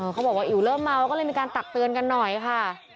เขาบอกว่าอิ๋วเริ่มเมาก็เลยมีการตักเตือนกันหน่อยค่ะ